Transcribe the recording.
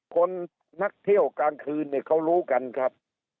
คนนักเที่ยวกลางคืนเนี่ยเขารู้กันครับ